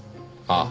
ああ。